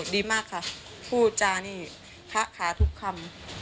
ดีมากค่ะพูดจานี่คะขาทุกคำ